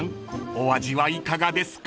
お味はいかがですか？］